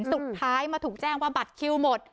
สุดท้ายมาถูกแจ้งว่าบัตรคิวหมด